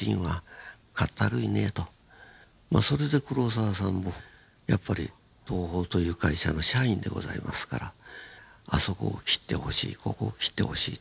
それで黒澤さんもやっぱり東宝という会社の社員でございますからあそこを切ってほしいここを切ってほしいというのでね